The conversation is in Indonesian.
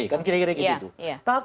kan kira kira gitu